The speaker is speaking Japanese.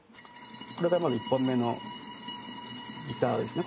これが１本目のギターですね。